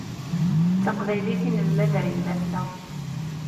D taqbaylit i nelmed ar yemma-tneɣ.